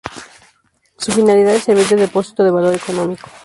Su finalidad es servir de depósito de valor económico.